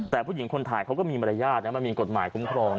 แต่ผู้หญิงคนถ่ายเขาก็มีมารยาทนะมันมีกฎหมายคุ้มครอง